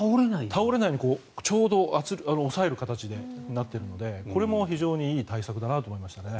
倒れないようにちょうど抑える形になっているのでこれも非常にいい対策だなと思いましたね。